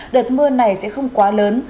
đợt mưa này sẽ không quá lớn